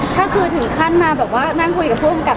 ถ้าคือถึงขั้นมาแบบว่านั่งคุยกับผู้กำกับ